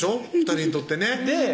２人にとってね